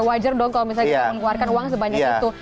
wajar dong kalau misalnya kita mengeluarkan uang sebanyak itu